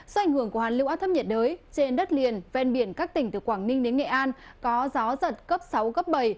do ảnh hưởng của hoàn lưu áp thấp nhiệt đới trên đất liền ven biển các tỉnh từ quảng ninh đến nghệ an có gió giật cấp sáu cấp bảy